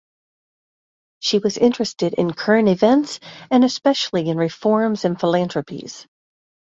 She was interested in current events and especially in reforms and philanthropies.